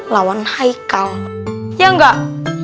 lawan heikal ya gak